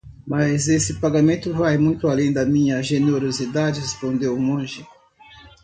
"Mas esse pagamento vai muito além da minha generosidade?", respondeu o monge.